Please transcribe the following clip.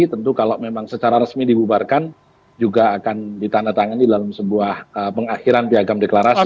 tentu kalau memang secara resmi dibubarkan juga akan ditandatangani dalam sebuah pengakhiran piagam deklarasi